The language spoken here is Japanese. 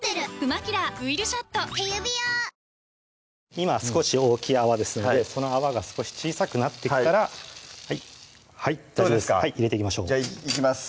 今少し大きい泡ですのでその泡が少し小さくなってきたらはい大丈夫です入れていきましょうじゃあいきます